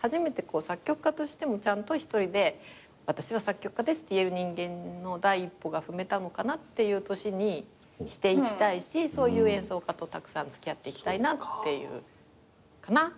初めて作曲家としてもちゃんと１人で私は作曲家ですって言える人間の第一歩が踏めたのかなっていう年にしていきたいしそういう演奏家とたくさん付き合っていきたいなっていうかな？